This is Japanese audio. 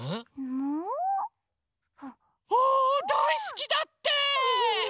むう？あだいすきだって！